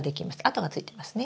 跡がついてますね。